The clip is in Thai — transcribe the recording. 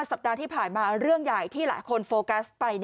สัปดาห์ที่ผ่านมาเรื่องใหญ่ที่หลายคนโฟกัสไป